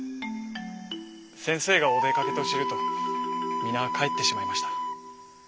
先生がお出かけと知ると皆帰ってしまいました。